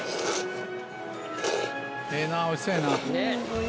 ええなおいしそうやな。